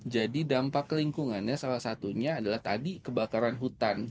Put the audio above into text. jadi dampak lingkungannya salah satunya adalah tadi kebakaran hutan